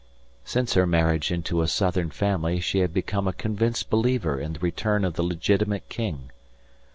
Since her marriage into a Southern family she had become a convinced believer in the return of the legitimate king.